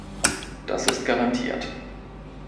Das ist garantiert.